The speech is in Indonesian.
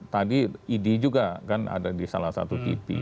tadi id juga kan ada di salah satu tipi